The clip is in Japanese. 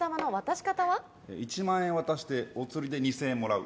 「１万円渡してお釣りで２千円もらう」。